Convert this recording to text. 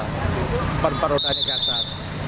sepan pan rodanya ke atas